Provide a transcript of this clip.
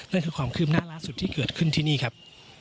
นั่นคือความคืบหน้าล่าสุดที่เกิดขึ้นที่นี่ครับ